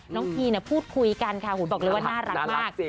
น้องทีเนี่ยพูดคุยกันค่ะหูบอกเลยว่าน่ารักมาก